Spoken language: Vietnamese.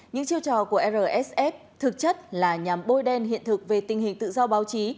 những chiêu trò của rsf thực chất là nhằm bôi đen hiện thực về tình hình tự do báo chí